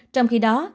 trong khi đó